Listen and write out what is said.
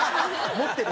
持ってる？